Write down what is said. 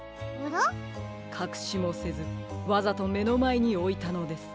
かくしもせずわざとめのまえにおいたのです。